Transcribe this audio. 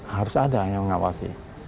harus ada yang mengawasi